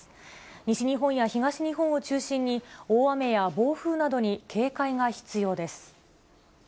西日本や東日本を中心に、大雨や暴風などに警戒が必要です。